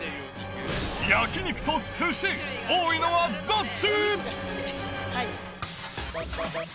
焼き肉とすし、多いのはどっち。